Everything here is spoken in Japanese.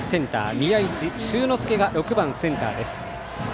宮一柊之介が６番センターです。